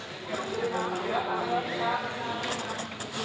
อ่า